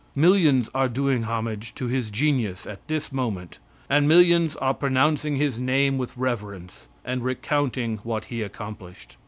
Millions are doing homage to his genius at this moment, and millions are pronouncing his name with reverence, and recounting what he accomplished.